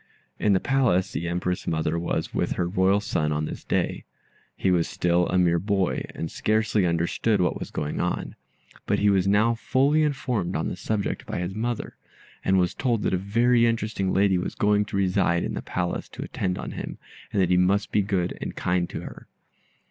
In the Palace, the Empress mother was with her Royal son on this day. He was still a mere boy, and scarcely understood what was going on; but he was now fully informed on the subject by his mother, and was told that a very interesting lady was going to reside in the Palace to attend on him, and that he must be good and kind to her.